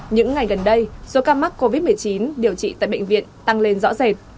những ngày gần đây số ca mắc covid một mươi chín điều trị tại bệnh viện tăng lên rõ rệt